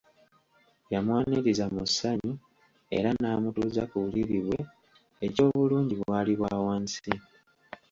Yamwaniriza mu ssanyu era n’amutuuza ku buliri bwe, eky’obulungi bwali bwa wansi.